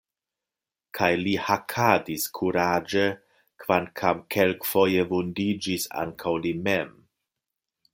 Kaj li hakadis kuraĝe, kvankam kelkfoje vundiĝis ankaŭ li mem.